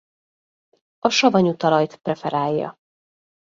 A savanyú talajt preferálja.